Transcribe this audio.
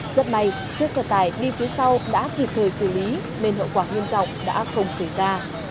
rất may chiếc xe tải đi phía sau đã kịp thời xử lý nên hậu quả nghiêm trọng đã không xảy ra